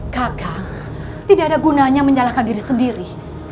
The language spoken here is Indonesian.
kakak tidak ada gunanya menyalahkan diri sendiri